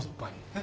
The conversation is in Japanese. え？